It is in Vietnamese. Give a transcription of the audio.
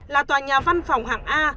là tòa nhà văn phòng hạng a